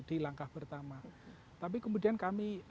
di langkah pertama tapi kemudian kami